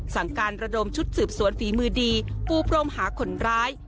สั่งการระดมชุดสืบสวนฝีมือดีปูพรมหาคนร้าย